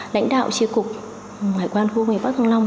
lãnh đạo tri cục hải quan khu công nghiệp bắc thăng long